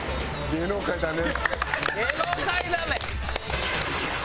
「芸能界だね」！